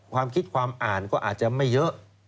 ความคิดความอ่านก็อาจจะไม่เยอะ